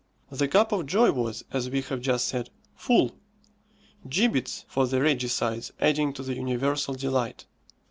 The cup of joy was, as we have just said, full; gibbets for the regicides adding to the universal delight.